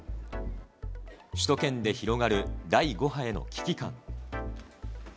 首都圏で広がる第５波への危機感。